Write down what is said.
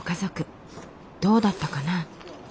どうだったかな？